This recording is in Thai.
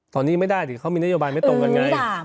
ตอนนี้ไม่ได้ดิเขามีนโยบายไม่ตรงกันไง